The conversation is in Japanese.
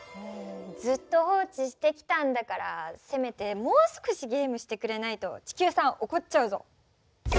ずっと放置してきたんだからせめてもう少しゲームしてくれないと地球さんおこっちゃうぞ。